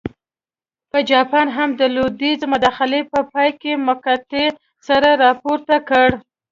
په جاپان هم د لوېدیځ مداخلې په پایله کې مقطعې سر راپورته کړ.